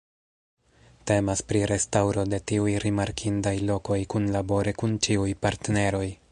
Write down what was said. Temas pri restaŭro de tiuj rimarkindaj lokoj kunlabore kun ĉiuj partneroj.